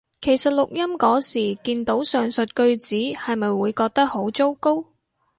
其實錄音嗰時見到上述句子係咪會覺得好糟糕？